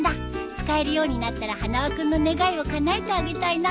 使えるようになったら花輪君の願いをかなえてあげたいな。